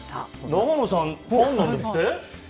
永野さん、ファンなんですって？